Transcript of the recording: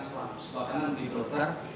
sebelah kanan di filter